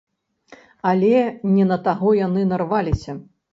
Але не на таго яны нарваліся.